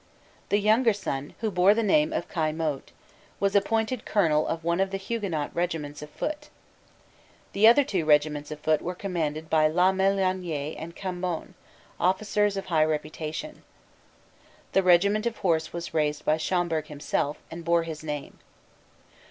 The younger son, who bore the name of Caillemote, was appointed colonel of one of the Huguenot regiments of foot. The two other regiments of foot were commanded by La Melloniere and Cambon, officers of high reputation. The regiment of horse was raised by Schomberg himself, and bore his name.